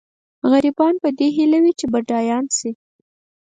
غریبان په دې هیله وي چې بډایان شي.